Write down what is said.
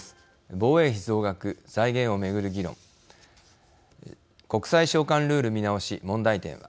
防衛費増額、財源を巡る議論国債償還ルール見直し問題点